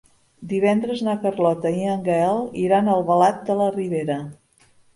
Divendres na Carlota i en Gaël iran a Albalat de la Ribera.